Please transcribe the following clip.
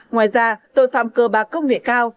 ngoài ra tội phạm cơ bà công nghệ cao